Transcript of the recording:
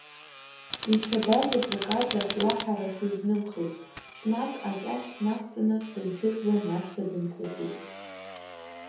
Иҽада заҵәык ада уаҳа рахә изнымхеит, ҽнак акьахь нақәҵаны дынҽыжәлан, иашҭа дынҭыҵит.